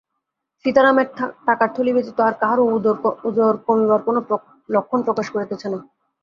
সীতারামের টাকার থলি ব্যতীত আর কাহারও উদর কমিবার কোনো লক্ষণ প্রকাশ করিতেছে না।